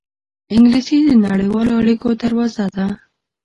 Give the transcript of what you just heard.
انګلیسي د نړیوالو اړېکو دروازه ده